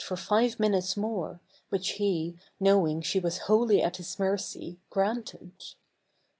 for five minutes more, which he, knowing Te was wholly at his mercy, granted.